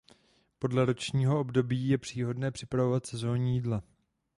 Podle ročního období je příhodné připravovat sezónní jídla.